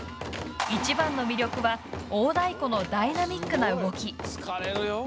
１番の魅力は大太鼓のダイナミックな動き。